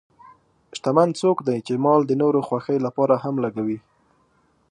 شتمن څوک دی چې مال د نورو خوښۍ لپاره هم لګوي.